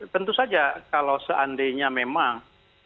tentu saja kalau seandainya memang